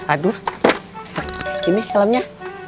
aduh gini helmnya